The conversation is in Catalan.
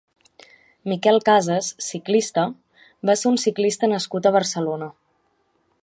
Miquel Casas (ciclista) va ser un ciclista nascut a Barcelona.